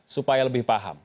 supaya lebih paham